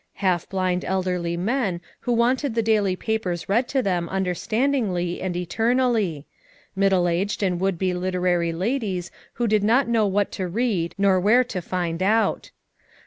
Half blind elderly men who wanted the daily papers read to them understanding^ and eternally; middle aged and would be lit erary ladies who did not know what to read nor where to find out.